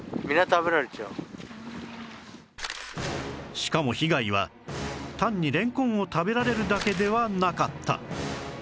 しかも被害は単にレンコンを食べられるだけではなかった